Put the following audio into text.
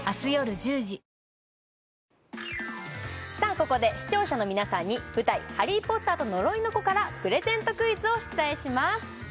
ここで視聴者の皆さんに舞台「ハリー・ポッターと呪いの子」からプレゼントクイズを出題します